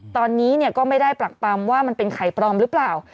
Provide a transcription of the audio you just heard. ตอนนี้ก็ไม่ได้ปรักปำว่ามันเป็นไข่ปลอมหรือเปล่า